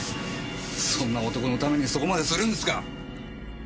そんな男のためにそこまでするんですか！